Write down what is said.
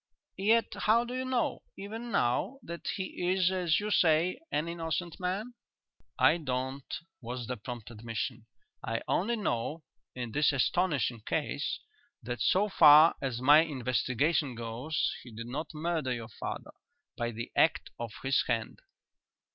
"Yet how do you know, even now, that he is, as you say, an innocent man?" "I don't," was the prompt admission. "I only know, in this astonishing case, that so far as my investigation goes, he did not murder your father by the act of his hand."